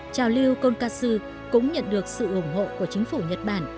chào lưu konkatsu cũng nhận được sự ủng hộ của chính phủ nhật bản